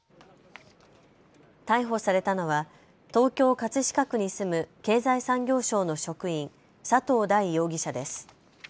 逮捕されたのは東京葛飾区に住む経済産業省の職員、佐藤大容疑者です。